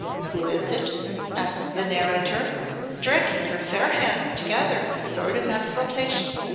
Who is it?" asked the narrator, striking her fair hands together in a sort of exultation.